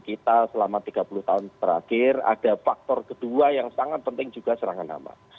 kita selama tiga puluh tahun terakhir ada faktor kedua yang sangat penting juga serangan hama